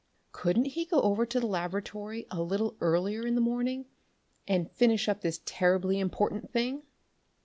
Couldn't he go over to the laboratory a little earlier in the morning and finish up this terribly important thing?